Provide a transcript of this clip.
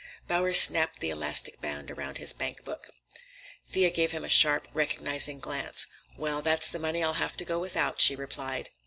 Bowers snapped the elastic band around his bank book. Thea gave him a sharp, recognizing glance. "Well, that's the money I'll have to go without," she replied.